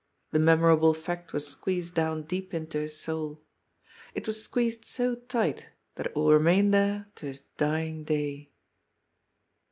The memorable fact was squeezed down deep into his soul. It was squeezed so tight that it will remain there to his dying day.